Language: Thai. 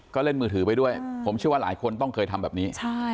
ก็เล่นมือถือไปด้วยผมเชื่อว่าหลายคนต้องเคยทำแบบนี้